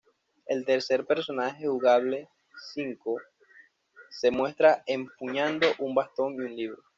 El tercer personaje jugable, V, se muestra empuñando un bastón y un libro.